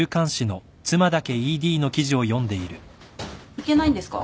いけないんですか？